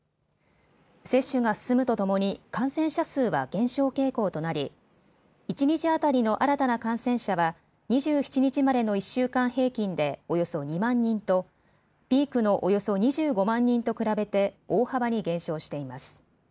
接種が進むとともに感染者数は減少傾向となり一日当たりの新たな感染者は２７日までの１週間平均でおよそ２万人とピークのおよそ２５万人と比べて大幅に減少しています。